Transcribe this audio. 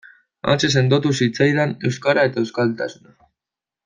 Hantxe sendotu zitzaizkidan euskara eta euskaltasuna.